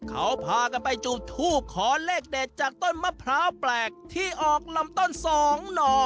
เขาพากันไปจุดทูบขอเลขเด็ดจากต้นมะพร้าวแปลกที่ออกลำต้นสองหน่อ